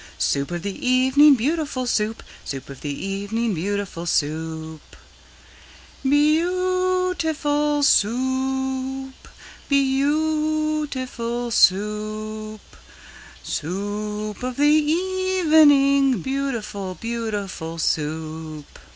Soup of the evening, beautiful Soup! Soup of the evening, beautiful Soup! Beau ootiful Soo oop! Beau ootiful Soo oop! Soo oop of the e e evening, Beautiful, beautiful Soup!